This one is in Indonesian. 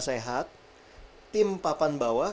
sehat tim papan bawah